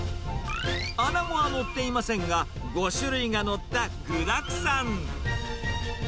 アナゴは載っていませんが、５種類が載った具だくさん。